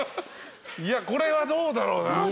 いやこれはどうだろうな。